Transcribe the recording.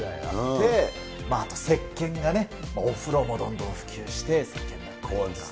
大正時代があって、せっけんがね、お風呂もどんどん普及して、せっけんが。